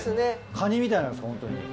カニみたいなんですかホントに。